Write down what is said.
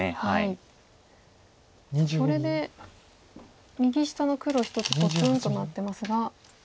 これで右下の黒１つぽつんとなってますが。